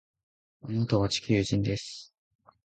あなたは地球人です